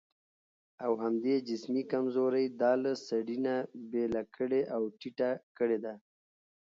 او همدې جسمي کمزورۍ دا له سړي نه بېله کړې او ټيټه کړې ده.